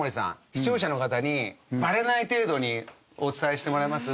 視聴者の方にバレない程度にお伝えしてもらえます？